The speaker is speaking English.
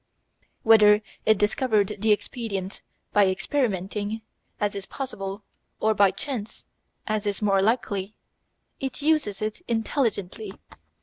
Whether it discovered the expedient by experimenting, as is possible, or by chance, as is more likely, it uses it intelligently.